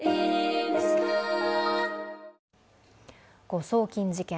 誤送金事件。